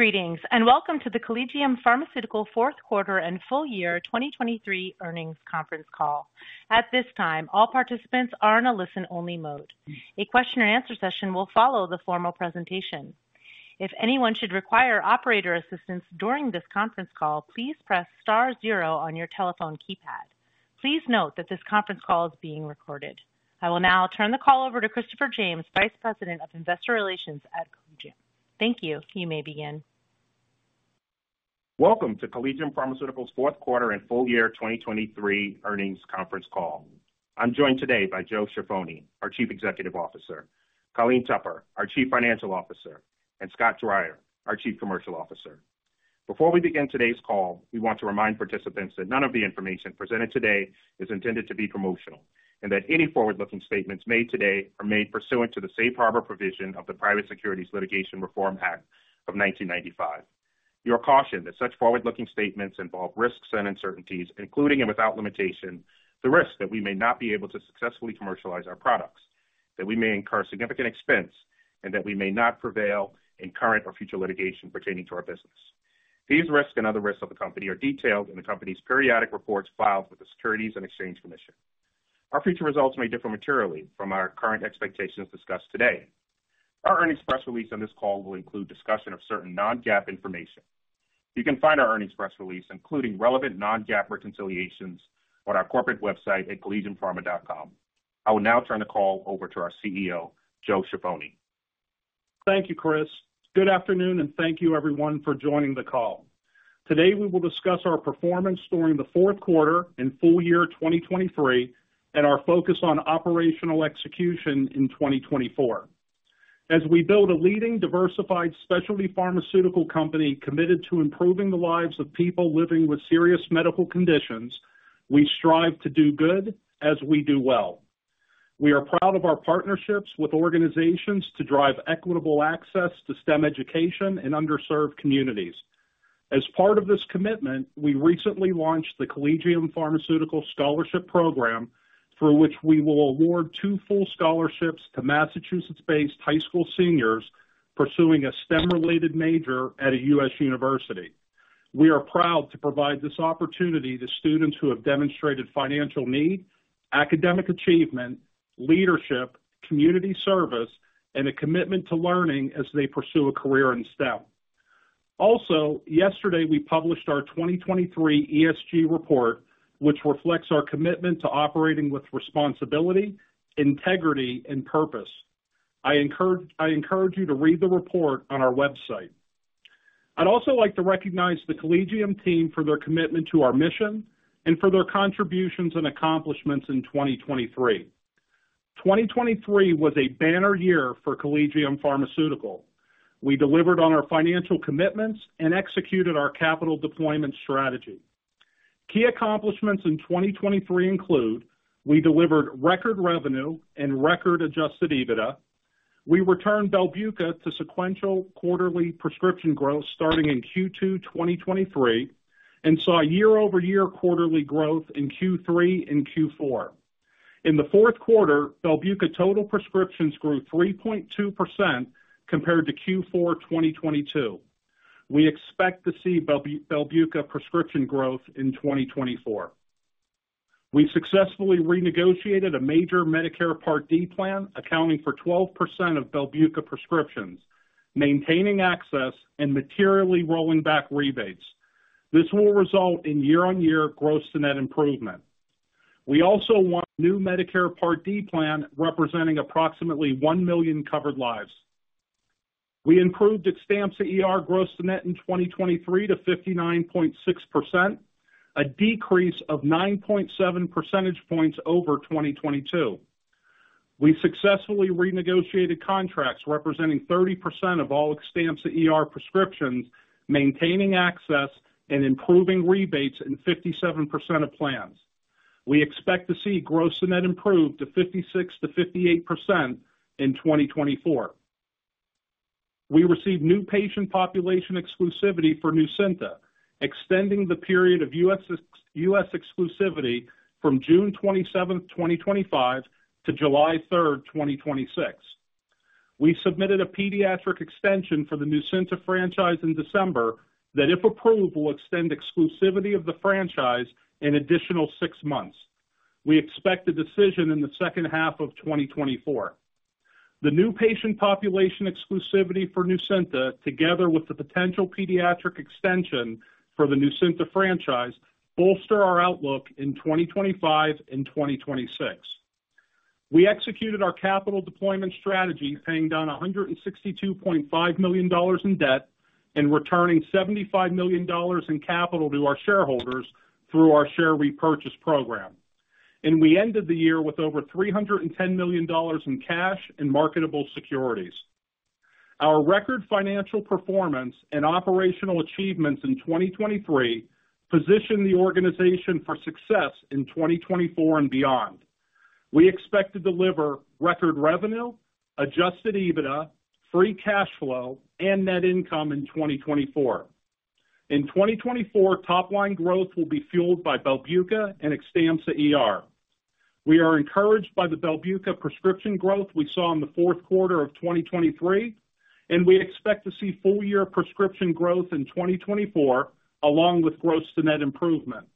Greetings, and welcome to the Collegium Pharmaceutical fourth quarter and full year 2023 earnings conference call. At this time, all participants are in a listen-only mode. A question and answer session will follow the formal presentation. If anyone should require operator assistance during this conference call, please press star zero on your telephone keypad. Please note that this conference call is being recorded. I will now turn the call over to Christopher James, Vice President of Investor Relations at Collegium. Thank you. You may begin. Welcome to Collegium Pharmaceutical's fourth quarter and full year 2023 earnings conference call. I'm joined today by Joe Ciaffoni, our Chief Executive Officer, Colleen Tupper, our Chief Financial Officer, and Scott Dreyer, our Chief Commercial Officer. Before we begin today's call, we want to remind participants that none of the information presented today is intended to be promotional, and that any forward-looking statements made today are made pursuant to the safe harbor provision of the Private Securities Litigation Reform Act of 1995. You are cautioned that such forward-looking statements involve risks and uncertainties, including and without limitation, the risk that we may not be able to successfully commercialize our products, that we may incur significant expense, and that we may not prevail in current or future litigation pertaining to our business. These risks and other risks of the company are detailed in the company's periodic reports filed with the Securities and Exchange Commission. Our future results may differ materially from our current expectations discussed today. Our earnings press release on this call will include discussion of certain non-GAAP information. You can find our earnings press release, including relevant non-GAAP reconciliations on our corporate website at collegiumpharma.com. I will now turn the call over to our CEO, Joe Ciaffoni. Thank you, Chris. Good afternoon, and thank you everyone for joining the call. Today, we will discuss our performance during the fourth quarter and full year 2023, and our focus on operational execution in 2024. As we build a leading, diversified specialty pharmaceutical company committed to improving the lives of people living with serious medical conditions, we strive to do good as we do well. We are proud of our partnerships with organizations to drive equitable access to STEM education in underserved communities. As part of this commitment, we recently launched the Collegium Pharmaceutical Scholarship Program, through which we will award two full scholarships to Massachusetts-based high school seniors pursuing a STEM-related major at a U.S. University. We are proud to provide this opportunity to students who have demonstrated financial need, academic achievement, leadership, community service, and a commitment to learning as they pursue a career in STEM. Also, yesterday, we published our 2023 ESG report, which reflects our commitment to operating with responsibility, integrity, and purpose. I encourage you to read the report on our website. I'd also like to recognize the Collegium team for their commitment to our mission and for their contributions and accomplishments in 2023. 2023 was a banner year for Collegium Pharmaceutical. We delivered on our financial commitments and executed our capital deployment strategy. Key accomplishments in 2023 include: we delivered record revenue and record adjusted EBITDA. We returned BELBUCA to sequential quarterly prescription growth starting in Q2 2023, and saw year-over-year quarterly growth in Q3 and Q4. In the fourth quarter, BELBUCA total prescriptions grew 3.2% compared to Q4 2022. We expect to see BELBUCA prescription growth in 2024. We successfully renegotiated a major Medicare Part D plan, accounting for 12% of BELBUCA prescriptions, maintaining access and materially rolling back rebates. This will result in year-on-year gross to net improvement. We also won a new Medicare Part D plan, representing approximately 1 million covered lives. We improved XTAMPZA ER gross to net in 2023 to 59.6%, a decrease of 9.7 percentage points over 2022. We successfully renegotiated contracts representing 30% of all XTAMPZA ER prescriptions, maintaining access and improving rebates in 57% of plans. We expect to see gross to net improve to 56%-58% in 2024. We received new patient population exclusivity for NUCYNTA, extending the period of U.S. exclusivity from June 27, 2025 to July 3, 2026. We submitted a pediatric extension for the NUCYNTA franchise in December, that, if approved, will extend exclusivity of the franchise an additional six months. We expect a decision in the second half of 2024. The new patient population exclusivity for NUCYNTA, together with the potential pediatric extension for the NUCYNTA franchise, bolster our outlook in 2025 and 2026. We executed our capital deployment strategy, paying down $162.5 million in debt and returning $75 million in capital to our shareholders through our share repurchase program. We ended the year with over $310 million in cash and marketable securities. Our record financial performance and operational achievements in 2023 position the organization for success in 2024 and beyond. We expect to deliver record revenue, Adjusted EBITDA, free cash flow, and net income in 2024. In 2024, top line growth will be fueled by BELBUCA and XTAMPZA ER. We are encouraged by the BELBUCA prescription growth we saw in the fourth quarter of 2023, and we expect to see full-year prescription growth in 2024, along with gross to net improvement.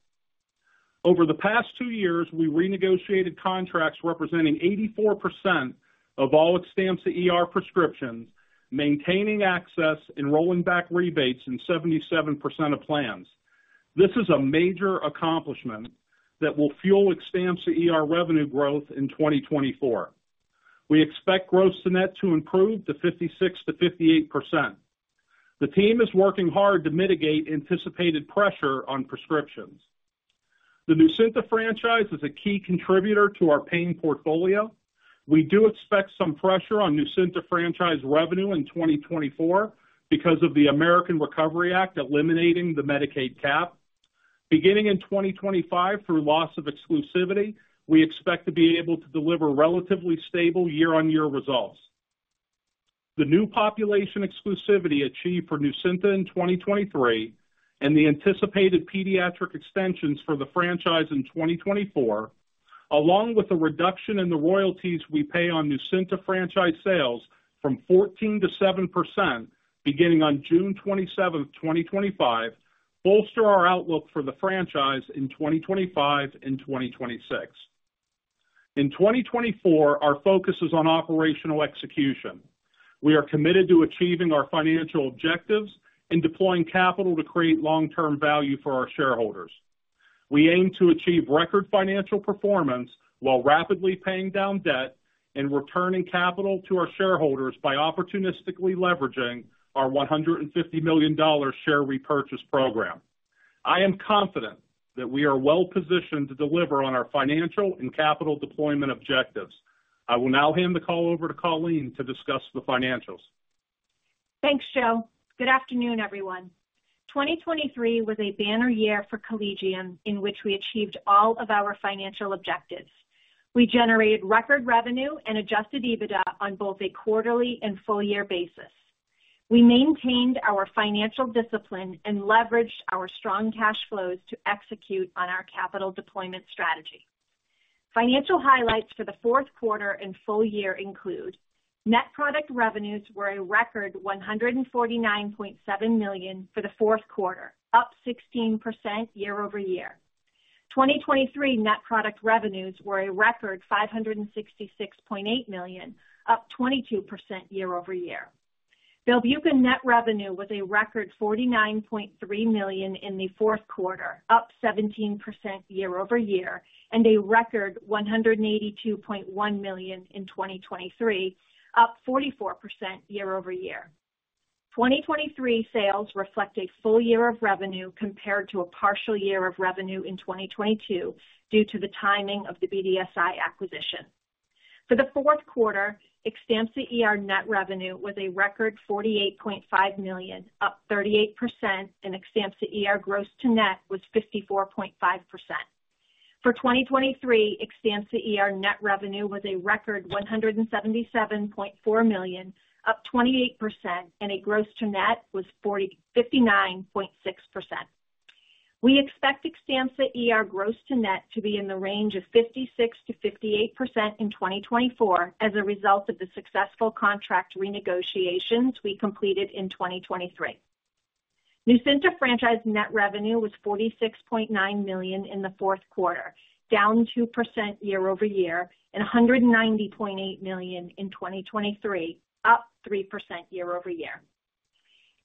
Over the past two years, we renegotiated contracts representing 84% of all XTAMPZA ER prescriptions, maintaining access and rolling back rebates in 77% of plans. This is a major accomplishment that will fuel XTAMPZA ER revenue growth in 2024. We expect gross to net to improve to 56%-58%. The team is working hard to mitigate anticipated pressure on prescriptions. The NUCYNTA franchise is a key contributor to our pain portfolio. We do expect some pressure on NUCYNTA franchise revenue in 2024 because of the American Rescue Plan Act, eliminating the Medicaid cap. Beginning in 2025, through loss of exclusivity, we expect to be able to deliver relatively stable year-on-year results. The new population exclusivity achieved for NUCYNTA in 2023 and the anticipated pediatric extensions for the franchise in 2024, along with a reduction in the royalties we pay on NUCYNTA franchise sales from 14% to 7% beginning on June 27, 2025, bolster our outlook for the franchise in 2025 and 2026. In 2024, our focus is on operational execution. We are committed to achieving our financial objectives and deploying capital to create long-term value for our shareholders. We aim to achieve record financial performance while rapidly paying down debt and returning capital to our shareholders by opportunistically leveraging our $150 million share repurchase program. I am confident that we are well positioned to deliver on our financial and capital deployment objectives. I will now hand the call over to Colleen to discuss the financials. Thanks, Joe. Good afternoon, everyone. 2023 was a banner year for Collegium in which we achieved all of our financial objectives. We generated record revenue and Adjusted EBITDA on both a quarterly and full-year basis. We maintained our financial discipline and leveraged our strong cash flows to execute on our capital deployment strategy. Financial highlights for the fourth quarter and full year include net product revenues were a record $149.7 million for the fourth quarter, up 16% year-over-year. 2023 net product revenues were a record $566.8 million, up 22% year-over-year. BELBUCA net revenue was a record $49.3 million in the fourth quarter, up 17% year-over-year, and a record $182.1 million in 2023, up 44% year-over-year. 2023 sales reflect a full year of revenue compared to a partial year of revenue in 2022 due to the timing of the BDSI acquisition. For the fourth quarter, XTAMPZA ER net revenue was a record $48.5 million, up 38%, and XTAMPZA ER gross to net was 54.5%. For 2023, XTAMPZA ER net revenue was a record $177.4 million, up 28%, and a gross to net was 59.6%. We expect XTAMPZA ER gross to net to be in the range of 56%-58% in 2024 as a result of the successful contract renegotiations we completed in 2023. NUCYNTA franchise net revenue was $46.9 million in the fourth quarter, down 2% year-over-year, and $190.8 million in 2023, up 3%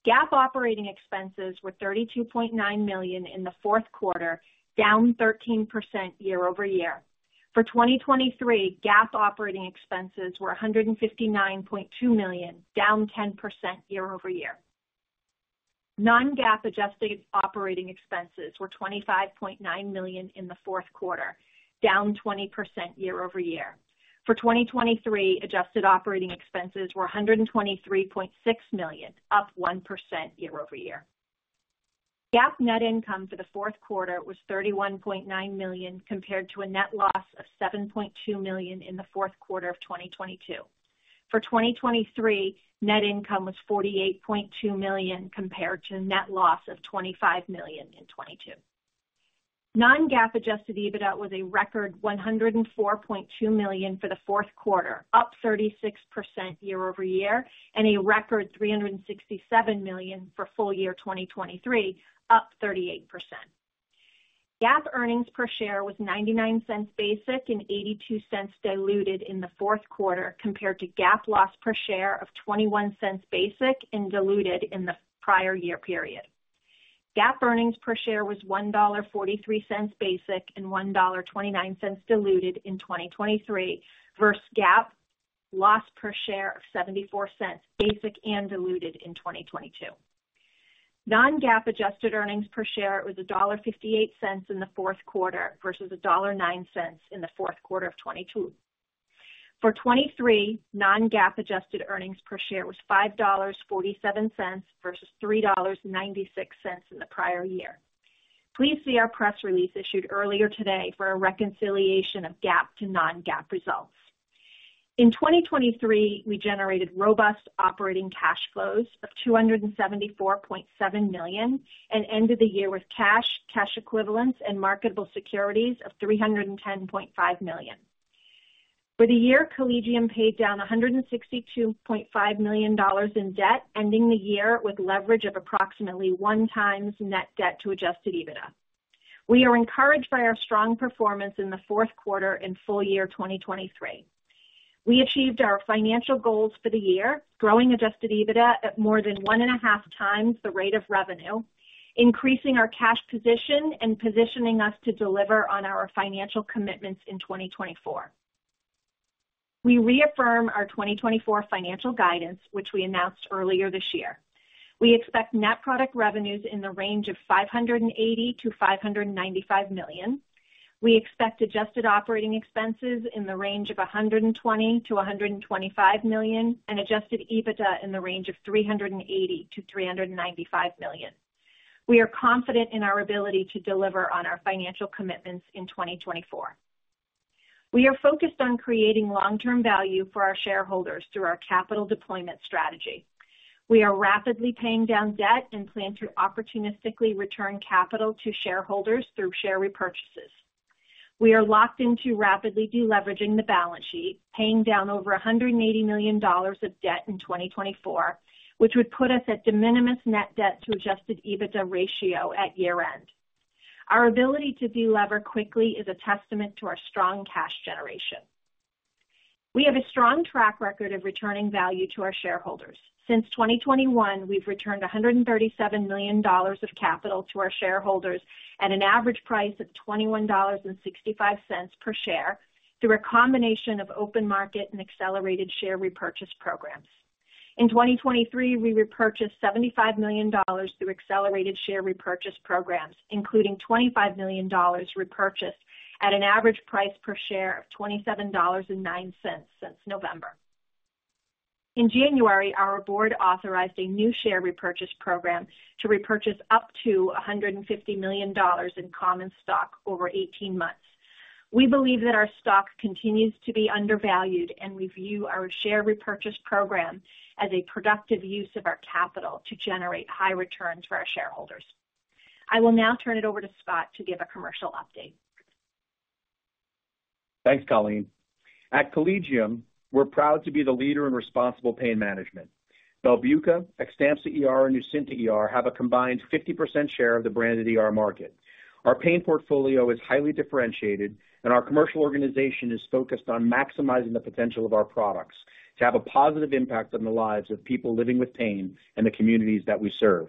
year-over-year. GAAP operating expenses were $32.9 million in the fourth quarter, down 13% year-over-year. For 2023, GAAP operating expenses were $159.2 million, down 10% year-over-year. Non-GAAP adjusted operating expenses were $25.9 million in the fourth quarter, down 20% year-over-year. For 2023, adjusted operating expenses were $123.6 million, up 1% year-over-year. GAAP net income for the fourth quarter was $31.9 million, compared to a net loss of $7.2 million in the fourth quarter of 2022. For 2023, net income was $48.2 million, compared to a net loss of $25 million in 2022. Non-GAAP adjusted EBITDA was a record $104.2 million for the fourth quarter, up 36% year-over-year, and a record $367 million for full year 2023, up 38%. GAAP earnings per share was $0.99 basic and $0.82 diluted in the fourth quarter, compared to GAAP loss per share of $0.21 basic and diluted in the prior year period. GAAP earnings per share was $1.43 basic and $1.29 diluted in 2023, versus GAAP loss per share of $0.74, basic and diluted in 2022. Non-GAAP adjusted earnings per share was $1.58 in the fourth quarter versus $1.09 in the fourth quarter of 2022. For 2023, non-GAAP adjusted earnings per share was $5.47 versus $3.96 in the prior year. Please see our press release issued earlier today for a reconciliation of GAAP to non-GAAP results. In 2023, we generated robust operating cash flows of $274.7 million and ended the year with cash, cash equivalents and marketable securities of $310.5 million. For the year, Collegium paid down $162.5 million in debt, ending the year with leverage of approximately 1x net debt to Adjusted EBITDA. We are encouraged by our strong performance in the fourth quarter and full year 2023. We achieved our financial goals for the year, growing Adjusted EBITDA at more than 1.5x the rate of revenue, increasing our cash position and positioning us to deliver on our financial commitments in 2024. We reaffirm our 2024 financial guidance, which we announced earlier this year. We expect net product revenues in the range of $580 million-$595 million. We expect adjusted operating expenses in the range of $120 million-$125 million and adjusted EBITDA in the range of $380 million-$395 million. We are confident in our ability to deliver on our financial commitments in 2024. We are focused on creating long-term value for our shareholders through our capital deployment strategy. We are rapidly paying down debt and plan to opportunistically return capital to shareholders through share repurchases. We are locked into rapidly deleveraging the balance sheet, paying down over $180 million of debt in 2024, which would put us at de minimis net debt to adjusted EBITDA ratio at year-end. Our ability to deliver quickly is a testament to our strong cash generation. We have a strong track record of returning value to our shareholders. Since 2021, we've returned $137 million of capital to our shareholders at an average price of $21.65 per share, through a combination of open market and accelerated share repurchase programs. In 2023, we repurchased $75 million through accelerated share repurchase programs, including $25 million repurchased at an average price per share of $27.09 since November. In January, our board authorized a new share repurchase program to repurchase up to $150 million in common stock over 18 months. We believe that our stock continues to be undervalued, and we view our share repurchase program as a productive use of our capital to generate high returns for our shareholders. I will now turn it over to Scott to give a commercial update. Thanks, Colleen. At Collegium, we're proud to be the leader in responsible pain management. BELBUCA, XTAMPZA ER, and NUCYNTA ER have a combined 50% share of the branded ER market. Our pain portfolio is highly differentiated, and our commercial organization is focused on maximizing the potential of our products to have a positive impact on the lives of people living with pain and the communities that we serve.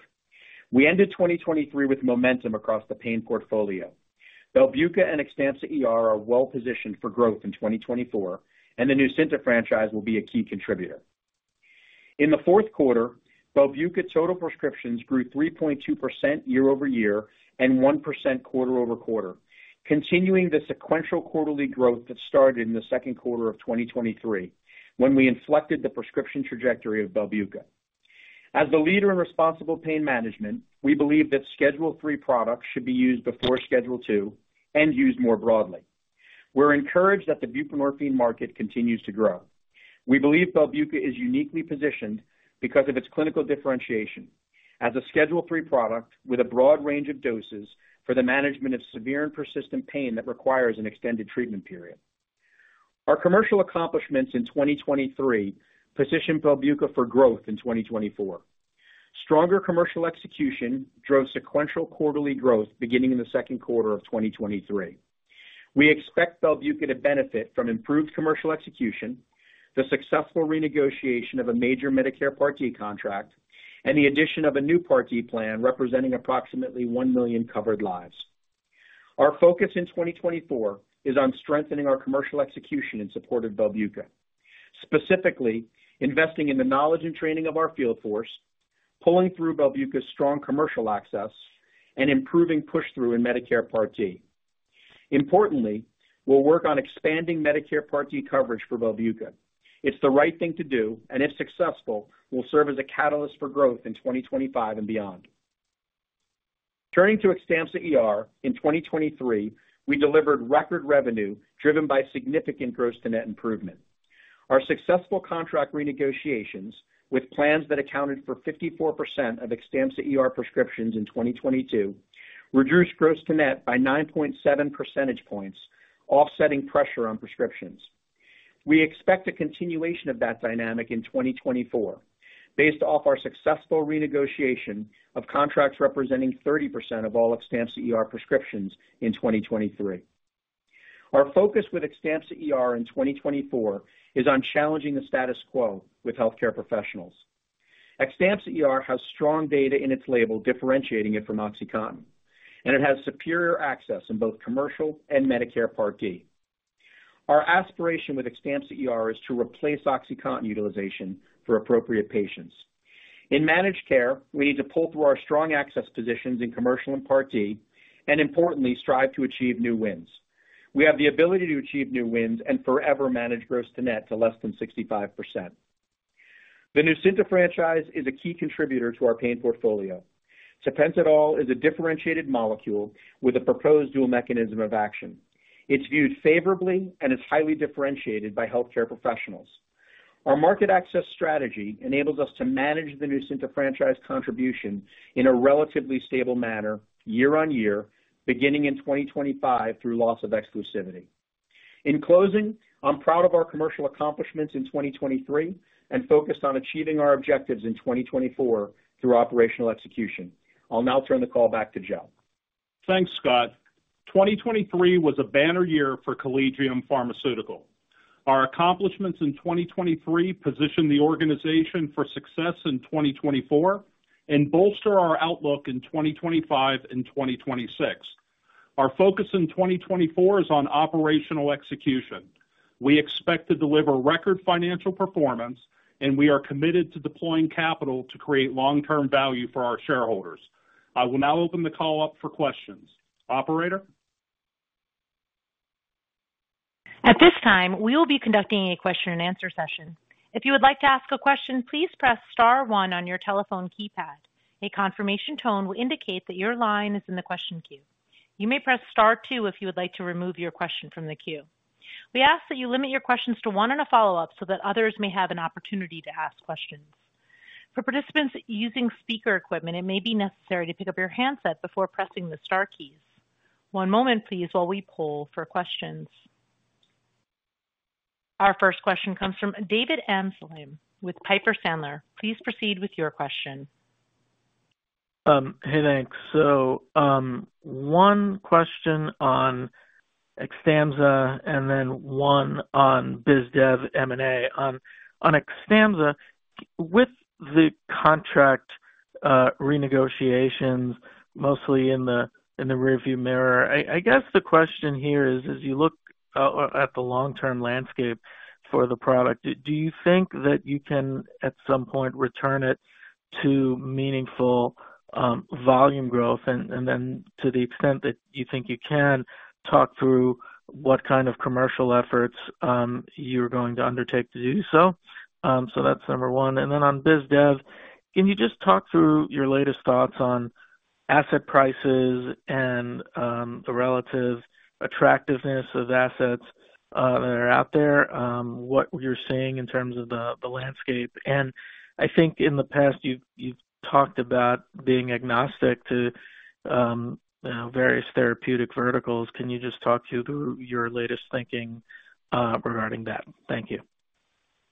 We ended 2023 with momentum across the pain portfolio. BELBUCA and XTAMPZA ER are well positioned for growth in 2024, and the NUCYNTA franchise will be a key contributor. In the fourth quarter, BELBUCA total prescriptions grew 3.2% year-over-year and 1% quarter-over-quarter, continuing the sequential quarterly growth that started in the second quarter of 2023, when we inflected the prescription trajectory of BELBUCA. As the leader in responsible pain management, we believe that Schedule III products should be used before Schedule II and used more broadly. We're encouraged that the buprenorphine market continues to grow. We believe BELBUCA is uniquely positioned because of its clinical differentiation as a Schedule III product with a broad range of doses for the management of severe and persistent pain that requires an extended treatment period. Our commercial accomplishments in 2023 positioned BELBUCA for growth in 2024. Stronger commercial execution drove sequential quarterly growth beginning in the second quarter of 2023. We expect BELBUCA to benefit from improved commercial execution, the successful renegotiation of a major Medicare Part D contract, and the addition of a new Part D plan, representing approximately 1 million covered lives. Our focus in 2024 is on strengthening our commercial execution in support of BELBUCA, specifically investing in the knowledge and training of our field force, pulling through BELBUCA's strong commercial access, and improving push-through in Medicare Part D. Importantly, we'll work on expanding Medicare Part D coverage for BELBUCA. It's the right thing to do, and if successful, will serve as a catalyst for growth in 2025 and beyond. Turning to XTAMPZA ER, in 2023, we delivered record revenue driven by significant gross to net improvement. Our successful contract renegotiations with plans that accounted for 54% of XTAMPZA ER prescriptions in 2022, reduced gross to net by 9.7 percentage points, offsetting pressure on prescriptions. We expect a continuation of that dynamic in 2024, based off our successful renegotiation of contracts representing 30% of all XTAMPZA ER prescriptions in 2023. Our focus with XTAMPZA ER in 2024 is on challenging the status quo with healthcare professionals. XTAMPZA ER has strong data in its label, differentiating it from OxyContin, and it has superior access in both commercial and Medicare Part D. Our aspiration with XTAMPZA ER is to replace OxyContin utilization for appropriate patients. In managed care, we need to pull through our strong access positions in commercial and Part D, and importantly, strive to achieve new wins. We have the ability to achieve new wins and favorably manage gross to net to less than 65%....The NUCYNTA franchise is a key contributor to our pain portfolio. Tapentadol is a differentiated molecule with a proposed dual mechanism of action. It's viewed favorably and is highly differentiated by healthcare professionals. Our market access strategy enables us to manage the NUCYNTA franchise contribution in a relatively stable manner year-on-year, beginning in 2025 through loss of exclusivity. In closing, I'm proud of our commercial accomplishments in 2023 and focused on achieving our objectives in 2024 through operational execution. I'll now turn the call back to Joe. Thanks, Scott. 2023 was a banner year for Collegium Pharmaceutical. Our accomplishments in 2023 position the organization for success in 2024 and bolster our outlook in 2025 and 2026. Our focus in 2024 is on operational execution. We expect to deliver record financial performance, and we are committed to deploying capital to create long-term value for our shareholders. I will now open the call up for questions. Operator? At this time, we will be conducting a question-and-answer session. If you would like to ask a question, please press star one on your telephone keypad. A confirmation tone will indicate that your line is in the question queue. You may press star two if you would like to remove your question from the queue. We ask that you limit your questions to one and a follow-up so that others may have an opportunity to ask questions. For participants using speaker equipment, it may be necessary to pick up your handset before pressing the star keys. One moment, please, while we poll for questions. Our first question comes from David Amsellem with Piper Sandler. Please proceed with your question. Hey, thanks. So, one question on XTAMPZA and then one on biz dev M&A. On XTAMPZA, with the contract renegotiations mostly in the rearview mirror, I guess the question here is, as you look at the long-term landscape for the product, do you think that you can, at some point, return it to meaningful volume growth? And then to the extent that you think you can, talk through what kind of commercial efforts you're going to undertake to do so. So that's number one. And then on biz dev, can you just talk through your latest thoughts on asset prices and the relative attractiveness of assets that are out there, what you're seeing in terms of the landscape? I think in the past, you've talked about being agnostic to various therapeutic verticals. Can you just talk through your latest thinking regarding that? Thank you.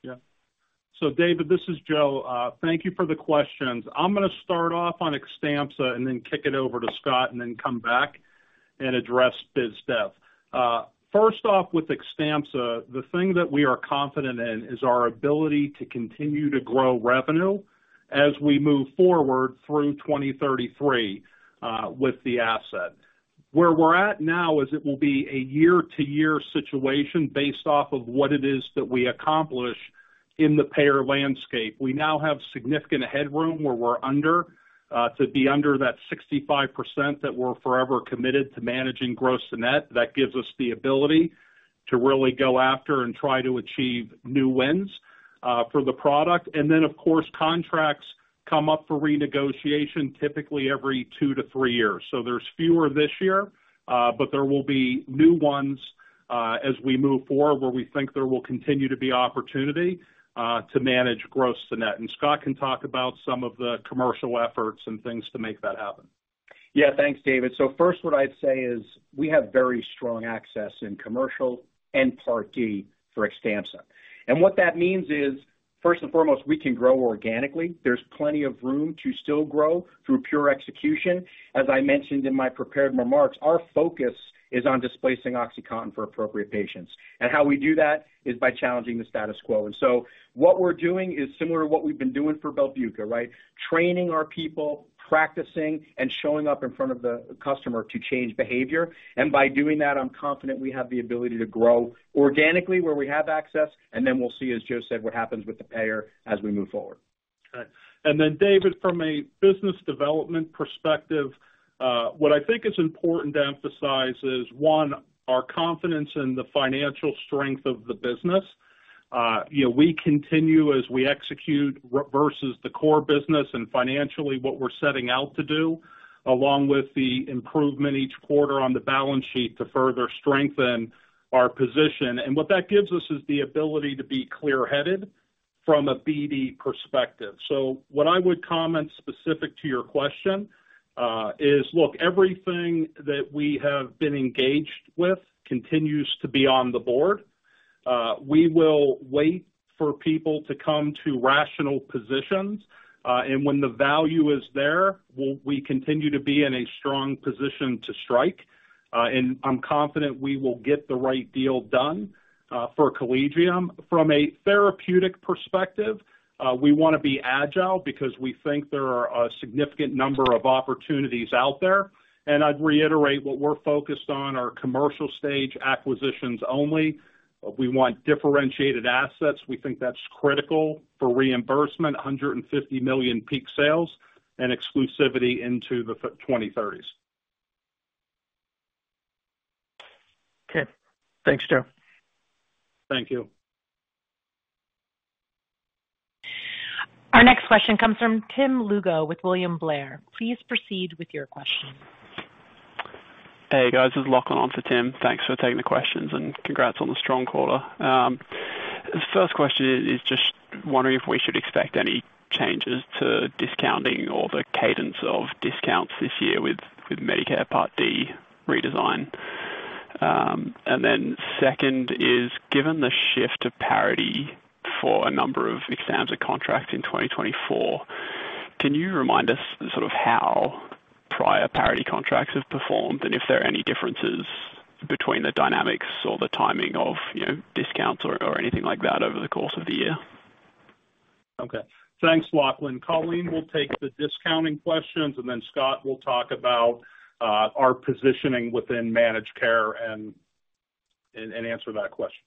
Yeah. So David, this is Joe. Thank you for the questions. I'm gonna start off on XTAMPZA and then kick it over to Scott and then come back and address biz dev. First off, with XTAMPZA, the thing that we are confident in is our ability to continue to grow revenue as we move forward through 2033, with the asset. Where we're at now is it will be a year-to-year situation based off of what it is that we accomplish in the payer landscape. We now have significant headroom where we're under, to be under that 65% that we're forever committed to managing gross to net. That gives us the ability to really go after and try to achieve new wins, for the product. And then, of course, contracts come up for renegotiation, typically every two to three years. There's fewer this year, but there will be new ones as we move forward, where we think there will continue to be opportunity to manage gross to net. Scott can talk about some of the commercial efforts and things to make that happen. Yeah. Thanks, David. So first, what I'd say is we have very strong access in commercial and Part D for XTAMPZA. And what that means is, first and foremost, we can grow organically. There's plenty of room to still grow through pure execution. As I mentioned in my prepared remarks, our focus is on displacing OxyContin for appropriate patients, and how we do that is by challenging the status quo. And so what we're doing is similar to what we've been doing for BELBUCA, right? Training our people, practicing and showing up in front of the customer to change behavior. And by doing that, I'm confident we have the ability to grow organically where we have access, and then we'll see, as Joe said, what happens with the payer as we move forward. Right. Then, David, from a business development perspective, what I think is important to emphasize is, one, our confidence in the financial strength of the business. You know, we continue as we execute versus the core business and financially, what we're setting out to do, along with the improvement each quarter on the balance sheet to further strengthen our position. And what that gives us is the ability to be clearheaded from a BD perspective. So what I would comment specific to your question is, look, everything that we have been engaged with continues to be on the board. We will wait for people to come to rational positions, and when the value is there, we'll continue to be in a strong position to strike, and I'm confident we will get the right deal done for Collegium. From a therapeutic perspective, we wanna be agile because we think there are a significant number of opportunities out there. I'd reiterate what we're focused on, are commercial stage acquisitions only. We want differentiated assets. We think that's critical for reimbursement, $150 million peak sales and exclusivity into the 2030s.... Okay. Thanks, Joe. Thank you. Our next question comes from Tim Lugo with William Blair. Please proceed with your question. Hey, guys, this is Lachlan on for Tim. Thanks for taking the questions, and congrats on the strong quarter. The first question is just wondering if we should expect any changes to discounting or the cadence of discounts this year with, with Medicare Part D redesign. And then second is, given the shift to parity for a number of XTAMPZA contracts in 2024, can you remind us sort of how prior parity contracts have performed, and if there are any differences between the dynamics or the timing of, you know, discounts or, or anything like that over the course of the year? Okay. Thanks, Lachlan. Colleen will take the discounting questions, and then Scott will talk about our positioning within managed care and answer that question.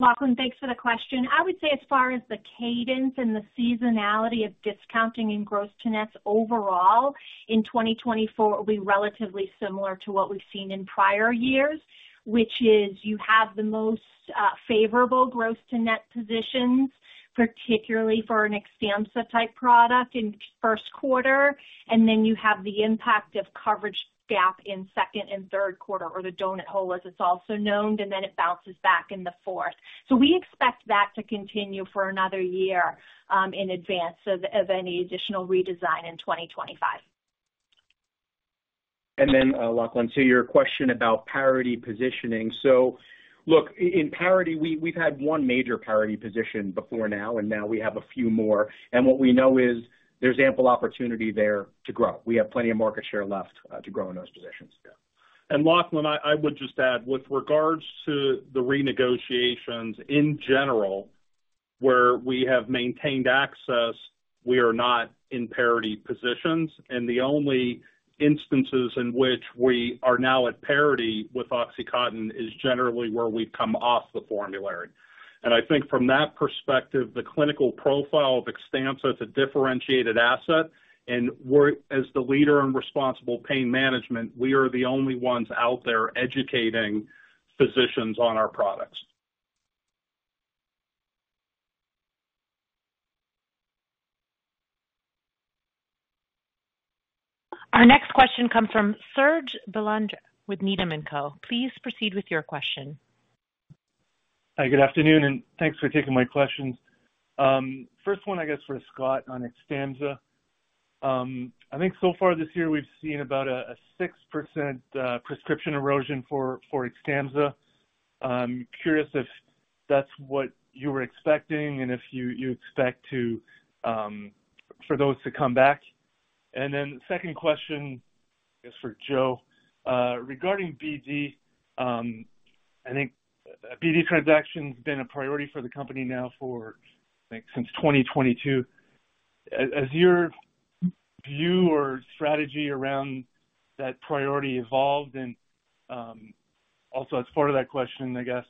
Lachlan, thanks for the question. I would say as far as the cadence and the seasonality of discounting in gross to nets overall in 2024 will be relatively similar to what we've seen in prior years, which is you have the most, favorable gross to net positions, particularly for an XTAMPZA-type product in first quarter, and then you have the impact of coverage gap in second and third quarter, or the donut hole, as it's also known, and then it bounces back in the fourth. So we expect that to continue for another year, in advance of any additional redesign in 2025. And then, Lachlan, to your question about parity positioning. So look, in parity, we, we've had one major parity position before now, and now we have a few more, and what we know is there's ample opportunity there to grow. We have plenty of market share left to grow in those positions. Yeah. And Lachlan, I, I would just add, with regards to the renegotiations in general, where we have maintained access, we are not in parity positions, and the only instances in which we are now at parity with OxyContin is generally where we've come off the formulary. And I think from that perspective, the clinical profile of XTAMPZA, it's a differentiated asset, and we're—as the leader in responsible pain management, we are the only ones out there educating physicians on our products. Our next question comes from Serge Belanger with Needham & Company. Please proceed with your question. Hi, good afternoon, and thanks for taking my questions. First one, I guess, for Scott on XTAMPZA. I think so far this year, we've seen about a 6% prescription erosion for XTAMPZA. I'm curious if that's what you were expecting and if you expect to for those to come back. And then second question is for Joe. Regarding BD, I think a BD transaction's been a priority for the company now for, I think, since 2022. Has your view or strategy around that priority evolved? And also as part of that question, I guess,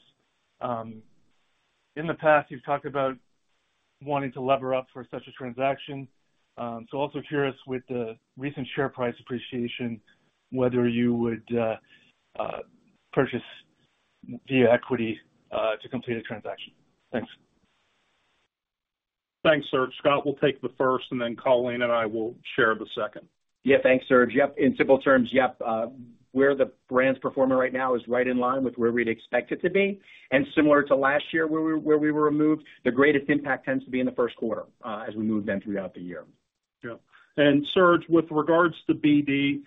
in the past, you've talked about wanting to lever up for such a transaction. So also curious with the recent share price appreciation, whether you would purchase via equity to complete a transaction. Thanks. Thanks, Serge. Scott will take the first, and then Colleen and I will share the second. Yeah. Thanks, Serge. Yep. In simple terms, yep, where the brand's performing right now is right in line with where we'd expect it to be, and similar to last year, where we, where we were removed, the greatest impact tends to be in the first quarter, as we move then throughout the year. Yeah. And Serge, with regards to BD,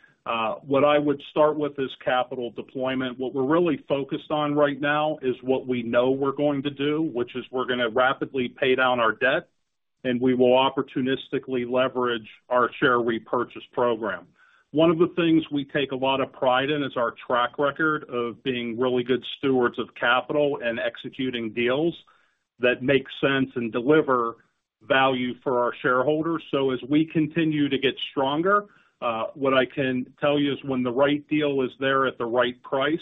what I would start with is capital deployment. What we're really focused on right now is what we know we're going to do, which is we're gonna rapidly pay down our debt, and we will opportunistically leverage our share repurchase program. One of the things we take a lot of pride in is our track record of being really good stewards of capital and executing deals that make sense and deliver value for our shareholders. So as we continue to get stronger, what I can tell you is when the right deal is there at the right price,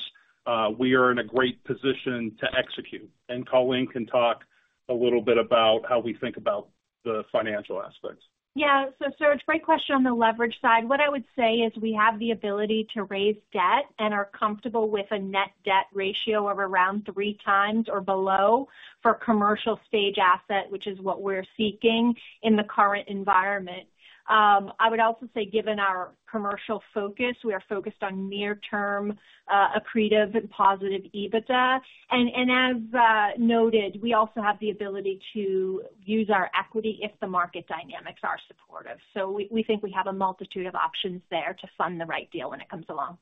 we are in a great position to execute. And Colleen can talk a little bit about how we think about the financial aspects. Yeah. So Serge, great question on the leverage side. What I would say is we have the ability to raise debt and are comfortable with a net debt ratio of around 3x or below for commercial stage asset, which is what we're seeking in the current environment. I would also say, given our commercial focus, we are focused on near-term, accretive and positive EBITDA. And as noted, we also have the ability to use our equity if the market dynamics are supportive. So we think we have a multitude of options there to fund the right deal when it comes along.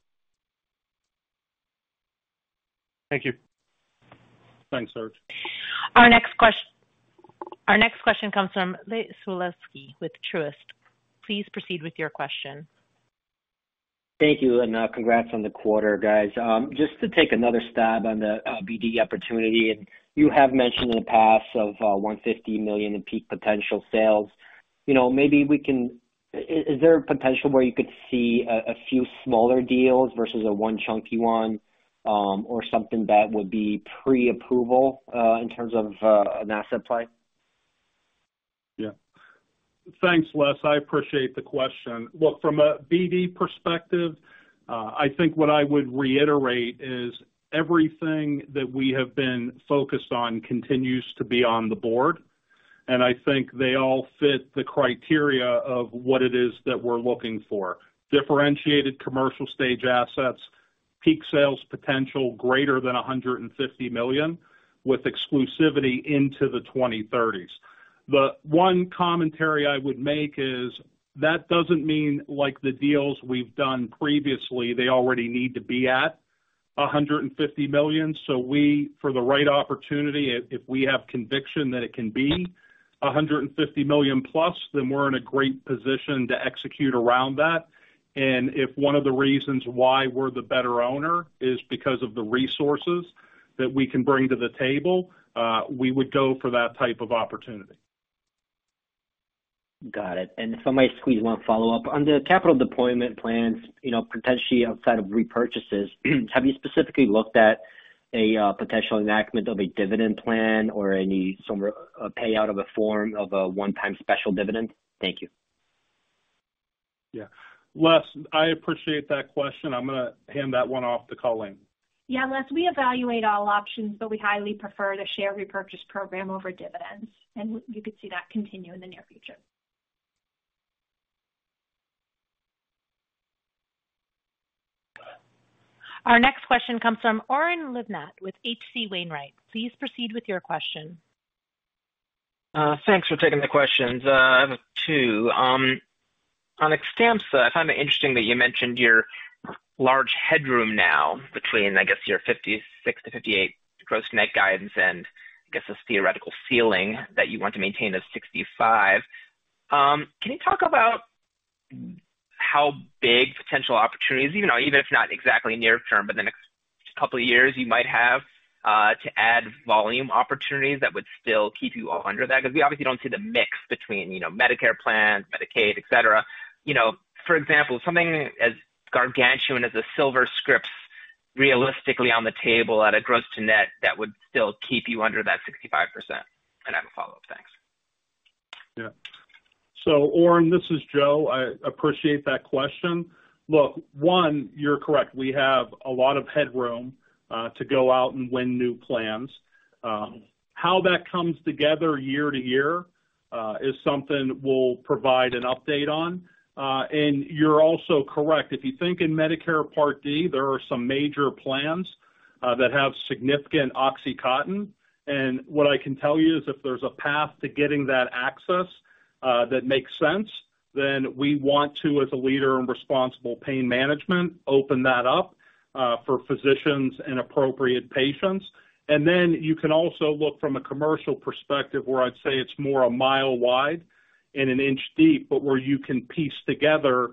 Thank you. Thanks, Serge. Our next question comes from Les Sulewski with Truist. Please proceed with your question. Thank you, and, congrats on the quarter, guys. Just to take another stab on the, BD opportunity, and you have mentioned in the past of, $150 million in peak potential sales. You know, maybe we can... Is there a potential where you could see a, a few smaller deals versus a one chunky one, or something that would be pre-approval, in terms of, an asset play? ... Yeah. Thanks, Les. I appreciate the question. Look, from a BD perspective, I think what I would reiterate is everything that we have been focused on continues to be on the board, and I think they all fit the criteria of what it is that we're looking for. Differentiated commercial stage assets, peak sales potential greater than $150 million, with exclusivity into the 2030s. The one commentary I would make is that doesn't mean like the deals we've done previously, they already need to be at $150 million. So we, for the right opportunity, if, if we have conviction that it can be $150 million plus, then we're in a great position to execute around that. If one of the reasons why we're the better owner is because of the resources that we can bring to the table, we would go for that type of opportunity. Got it. And if somebody squeeze one follow-up. On the capital deployment plans, you know, potentially outside of repurchases, have you specifically looked at a potential enactment of a dividend plan or any similar, a payout of a form of a one-time special dividend? Thank you. Yeah. Les, I appreciate that question. I'm gonna hand that one off to Colleen. Yeah, Les, we evaluate all options, but we highly prefer the share repurchase program over dividends, and you could see that continue in the near future. Our next question comes from Oren Livnat with H.C. Wainwright. Please proceed with your question. Thanks for taking the questions. I have two. On XTAMPZA, I find it interesting that you mentioned your large headroom now between, I guess, your 56%-58% gross-to-net guidance, and I guess, this theoretical ceiling that you want to maintain those 65%. Can you talk about how big potential opportunities, even though, even if not exactly near term, but the next couple of years, you might have, to add volume opportunities that would still keep you all under that? Because we obviously don't see the mix between, you know, Medicare plans, Medicaid, et cetera. You know, for example, something as gargantuan as a SilverScript realistically on the table at a gross-to-net, that would still keep you under that 65%. And I have a follow-up. Thanks. Yeah. So, Oren, this is Joe. I appreciate that question. Look, one, you're correct. We have a lot of headroom to go out and win new plans. How that comes together year to year is something we'll provide an update on. And you're also correct. If you think in Medicare Part D, there are some major plans that have significant OxyContin. And what I can tell you is, if there's a path to getting that access that makes sense, then we want to, as a leader in responsible pain management, open that up for physicians and appropriate patients. And then you can also look from a commercial perspective, where I'd say it's more a mile wide and an inch deep, but where you can piece together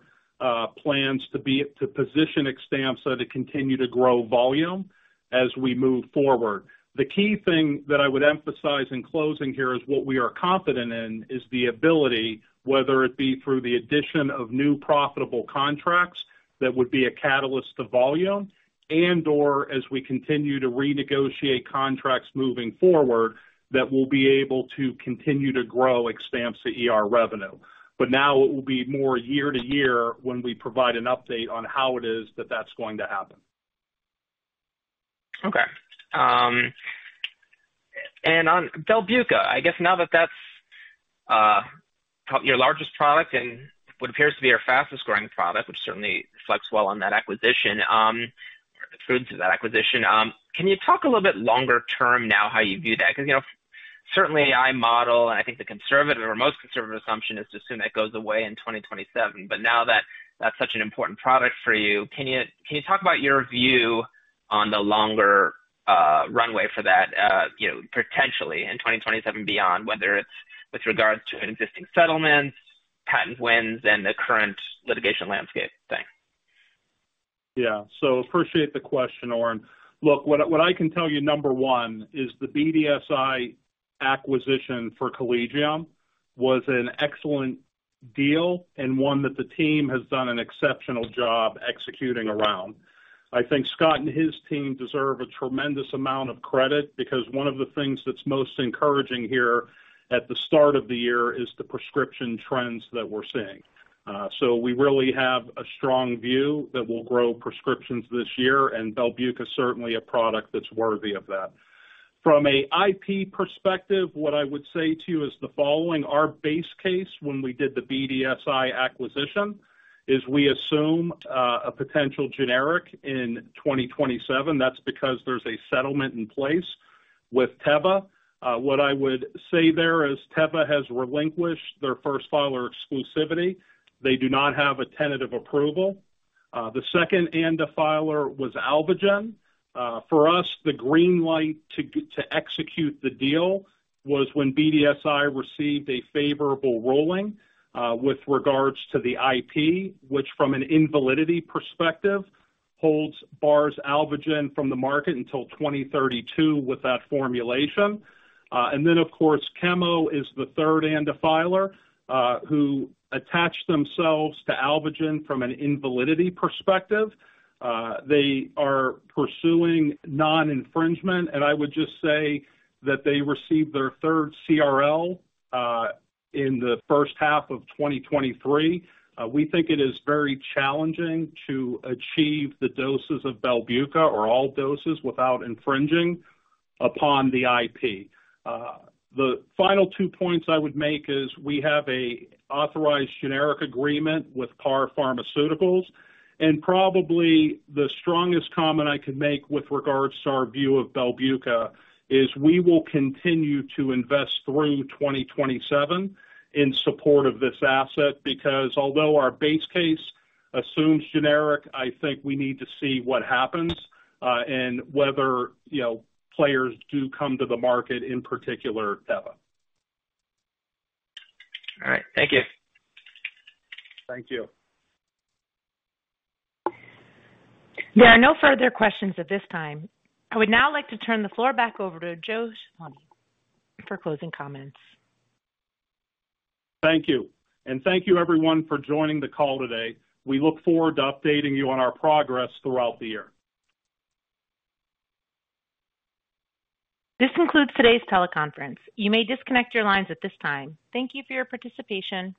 plans to be, to position XTAMPZA to continue to grow volume as we move forward. The key thing that I would emphasize in closing here is what we are confident in, is the ability, whether it be through the addition of new profitable contracts that would be a catalyst to volume and/or as we continue to renegotiate contracts moving forward, that we'll be able to continue to grow XTAMPZA ER revenue. But now it will be more year to year when we provide an update on how it is that that's going to happen. Okay. And on BELBUCA, I guess now that that's your largest product and what appears to be your fastest growing product, which certainly reflects well on that acquisition, or the fruits of that acquisition. Can you talk a little bit longer term now, how you view that? Because, you know, certainly I model, and I think the conservative or most conservative assumption is to assume that goes away in 2027. But now that that's such an important product for you, can you talk about your view on the longer runway for that, you know, potentially in 2027 beyond, whether it's with regards to an existing settlement, patent wins, and the current litigation landscape? Thanks. Yeah. So appreciate the question, Oren. Look, what I, what I can tell you, number one, is the BDSI acquisition for Collegium was an excellent deal and one that the team has done an exceptional job executing around. I think Scott and his team deserve a tremendous amount of credit because one of the things that's most encouraging here at the start of the year is the prescription trends that we're seeing. So we really have a strong view that we'll grow prescriptions this year, and BELBUCA is certainly a product that's worthy of that. From a IP perspective, what I would say to you is the following: Our base case when we did the BDSI acquisition, is we assume a potential generic in 2027. That's because there's a settlement in place with Teva. What I would say there is, Teva has relinquished their first filer exclusivity. They do not have a tentative approval. The second ANDA filer was Alvogen. For us, the green light to execute the deal was when BDSI received a favorable ruling with regards to the IP, which from an invalidity perspective holds, bars Alvogen from the market until 2032 with that formulation. And then, of course, Chemo is the third ANDA filer who attached themselves to Alvogen from an invalidity perspective. They are pursuing non-infringement, and I would just say that they received their third CRL in the first half of 2023. We think it is very challenging to achieve the doses of BELBUCA or all doses without infringing upon the IP. The final two points I would make is we have a authorized generic agreement with Par Pharmaceutical, and probably the strongest comment I can make with regards to our view of BELBUCA is we will continue to invest through 2027 in support of this asset, because although our base case assumes generic, I think we need to see what happens, and whether, you know, players do come to the market, in particular, Teva. All right. Thank you. Thank you. There are no further questions at this time. I would now like to turn the floor back over to Joe Ciaffoni for closing comments. Thank you, and thank you everyone for joining the call today. We look forward to updating you on our progress throughout the year. This concludes today's teleconference. You may disconnect your lines at this time. Thank you for your participation.